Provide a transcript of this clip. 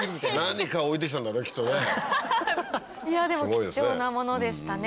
貴重なものでしたね。